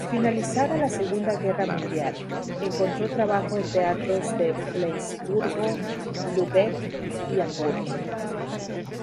Finalizada la Segunda Guerra Mundial, encontró trabajo en teatros de Flensburgo, Lübeck y Hamburgo.